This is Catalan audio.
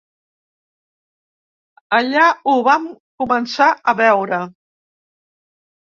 Allà ho vam començar a veure.